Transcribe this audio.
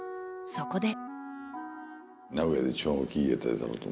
そこで。